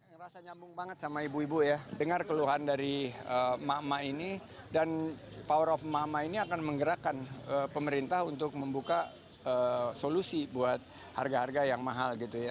ngerasa nyambung banget sama ibu ibu ya dengar keluhan dari emak emak ini dan power of emak emak ini akan menggerakkan pemerintah untuk membuka solusi buat harga harga yang mahal gitu ya